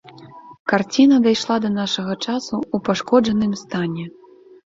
Карціна дайшла да нашага часу ў пашкоджаным стане.